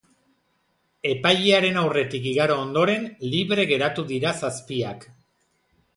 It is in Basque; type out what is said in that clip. Epailearen aurretik igaro ondoren, libre geratu dira zazpiak.